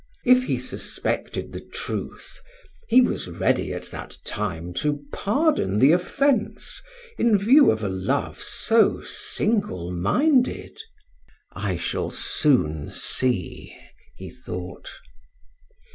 If he suspected the truth, he was ready at that time to pardon the offence in view of a love so single minded. "I shall soon see," he thought.